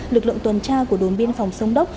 lực lượng tuần tra của đồn biên phòng sông đốc